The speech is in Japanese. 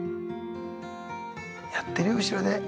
やってるよ後ろで。